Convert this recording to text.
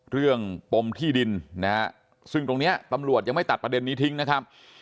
ปมที่ดินนะฮะซึ่งตรงนี้ตำรวจยังไม่ตัดประเด็นนี้ทิ้งนะครับ